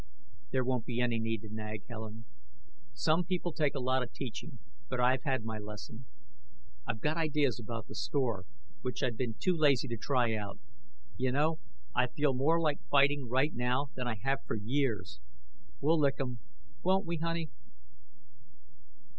"There won't be any need to nag, Helen. Some people take a lot of teaching, but I've had my lesson. I've got ideas about the store which I'd been too lazy to try out. You know, I feel more like fighting right now than I have for years! We'll lick 'em, won't we, honey?"